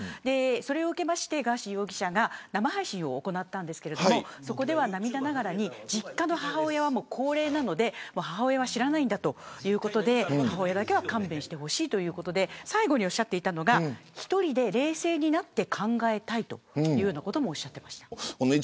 それに関してガーシー容疑者が生配信を行いましたが涙ながらに実家の母親は高齢なので母親は知らないんだということで母親だけは勘弁してほしいということで最後におっしゃっていたのが１人で冷静になって考えたいとおっしゃっていました。